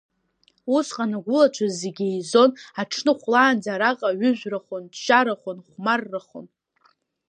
Усҟан агәылацәа зегь еизон, аҽны хәлаанӡа араҟа ҩыжәрахон, ччарахон, хәмаррахон.